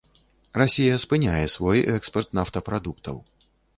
Расія спыняе свой экспарт нафтапрадуктаў.